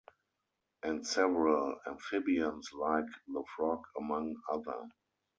And several amphibians like the frog, among other.